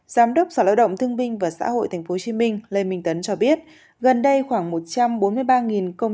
giám đốc sở lao động thương binh và xã hội tp hcm lê minh tấn cho biết gần đây khoảng một trăm bốn mươi ba công